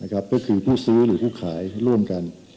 ก็คือผู้ซื้อหรือผู้ขายร่วมกัน